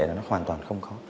nó hoàn toàn không khó